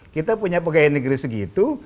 kita punya pegawai negeri segitu